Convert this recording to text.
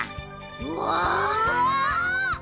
うわ！